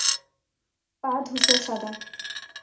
পা ধূসর সাদা।